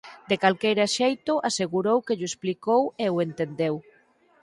De calquera xeito, asegurou que llo explicou e o entendeu.